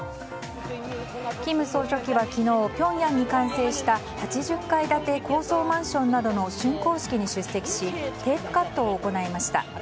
金総書記は昨日ピョンヤンに完成した８０階建て高層マンションなどの竣工式に出席しテープカットを行いました。